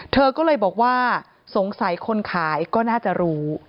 เธอก็เลยบอกว่าสงสัยคนขายก็น่าจะรู้